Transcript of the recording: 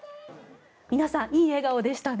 皆さん、いい笑顔でしたね。